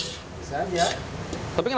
kalau kita kan kualitasnya lebih bagus